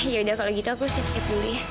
yaudah kalau gitu aku siap siap dulu ya